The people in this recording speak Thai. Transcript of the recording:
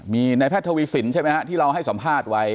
มีในแพทย์ทวีสินใช่ไหมฮะที่เราให้สัมภาษณ์ไว้